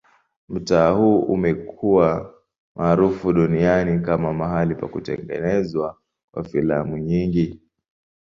Mtaa huu umekuwa maarufu duniani kama mahali pa kutengenezwa kwa filamu nyingi.